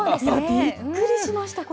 びっくりしました、これ。